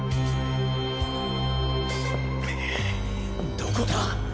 どこだ？